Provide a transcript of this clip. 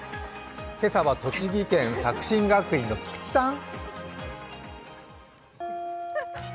今朝は栃木県作新学院の菊池さん。